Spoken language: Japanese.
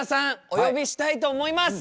お呼びしたいと思います。